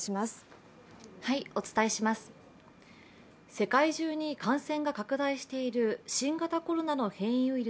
世界中に感染が拡大している新型コロナの変異ウイル